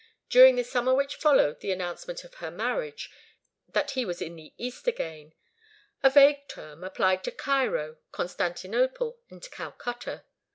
During the summer which followed the announcement of her marriage, she heard that he was in the East again a vague term applied to Cairo, Constantinople and Calcutta.